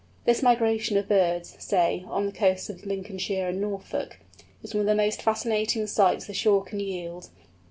This migration of birds, say, on the coasts of Lincolnshire and Norfolk, is one of the most fascinating sights the shore can yield.